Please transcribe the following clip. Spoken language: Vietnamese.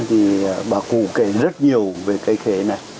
thì bà cụ kể rất nhiều về cây khế này